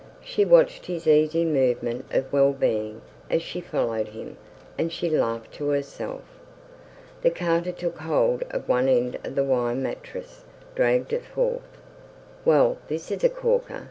She watched his easy movement of well being as she followed him, and she laughed to herself. The carter took hold of one end of the wire mattress, dragged it forth. "Well, this is a corker!"